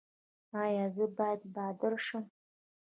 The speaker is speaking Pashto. ایا زه باید بادار شم؟